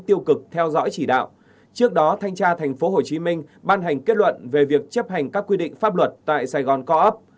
trước đó thanh tra tp hcm ban hành kết luận về việc chấp hành các quy định pháp luật tại saigon co op